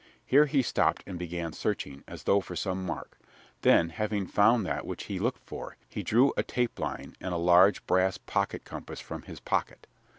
Here he stopped and began searching, as though for some mark; then, having found that which he looked for, he drew a tapeline and a large brass pocket compass from his pocket.